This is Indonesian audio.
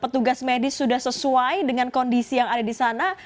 petugas medis sudah sesuai dengan kondisi yang ada di sana